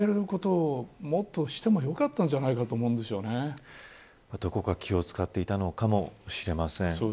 甘えることをもっとしてもよかったんじゃないかとどこか気を使っていたのかもしれません。